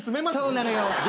そうなのよ。